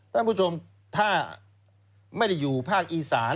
ท่านผู้ชมถ้าไม่ได้อยู่ภาคอีสาน